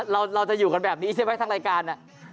เราจะอยู่กันแบบนี้ใช่ไหมทางรายการ